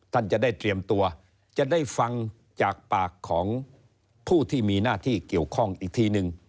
ท่านจะได้เตรียมตัวจะได้ฟังจากปากของผู้ที่มีหน้าที่เกี่ยวข้องอีกทีนึง